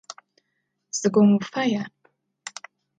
Зыгом уфая?